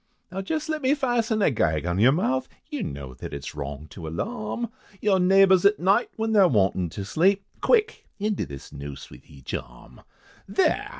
"Now jest let me fasten a gag on yer mouth, You know that it's wrong, to alarm Your neighbours at night, when they're wantin' to sleep, Quick! into this noose with each arm, There!